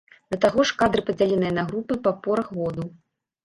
Да таго ж, кадры падзеленыя на групы па порах году.